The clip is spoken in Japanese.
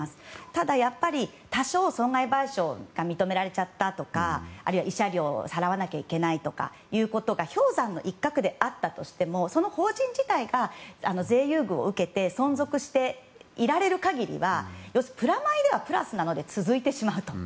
ただ、多少損害賠償が認められちゃったとかあるいは慰謝料、払わなければいけないとかいうことが氷山の一角であったとしてもその法人自体が税優遇を受けて存続していられる限りは要するに、プラマイではプラスなので続いてしまうと。